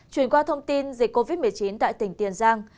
chuyển qua thông tin dịch covid một mươi chín tại tỉnh tiền giang